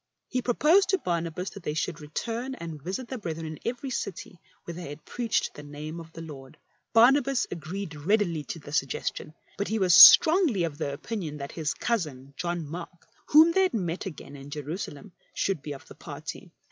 He pro posed to Barnabas that they should return and visit the brethren in every city where they had preached the name of the Lord. Barnabas agreed readily to the suggestion, but he was strongly of the opinion that his cousin John Mark, whom they had met again in Jerusalem, should be of the party.